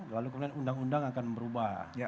lalu kemudian undang undang akan berubah